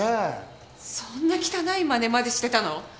そんな汚いまねまでしてたの？